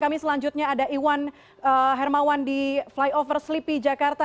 kami selanjutnya ada iwan hermawan di flyover sleepy jakarta